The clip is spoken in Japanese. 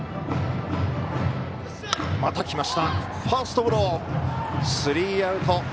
ファーストゴロスリーアウト。